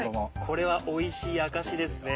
これはおいしい証しですね。